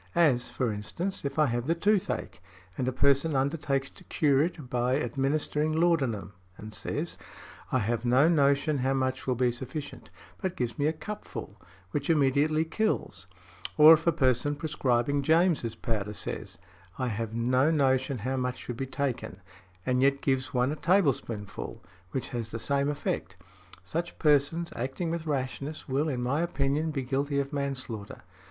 As, for instance, if I have the toothache, and a person undertakes to cure it by |87| administering laudanum, and says, 'I have no notion how much will be sufficient,' but gives one a cupful, which immediately kills; or if a person prescribing James' powder says, 'I have no notion how much should be taken,' and yet gives one a tablespoonful, which has the same effect; such persons, acting with rashness, will, in my opinion, be guilty of manslaughter.